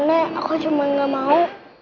nenek aku cuma gak mau